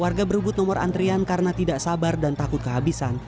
warga berebut nomor antrian karena tidak sabar dan takut kehabisan